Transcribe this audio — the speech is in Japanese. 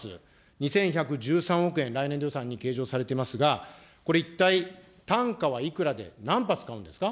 ２１１３億円来年度予算に計上されてますが、これ、一体、単価はいくらで何発買うんですか。